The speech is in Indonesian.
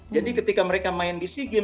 jadi ketika mereka main di sea games